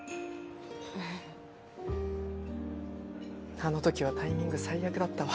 あの時はタイミング最悪だったわ。